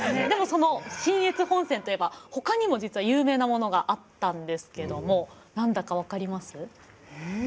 でもその信越本線といえば他にも実は有名なものがあったんですけども何だか分かります？